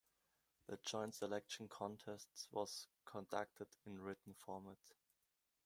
The Joint Selection Contest was conducted in written format.